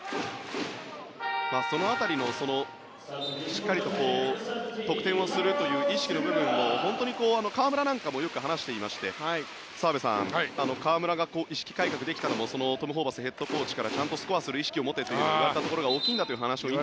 その辺りのしっかりと得点をするという意識の部分を本当に河村なんかもよく話していまして澤部さん河村が意識改革できたのもトム・ホーバスヘッドコーチからちゃんとスコアする意識を持てと言われたところが大きいんだという話を。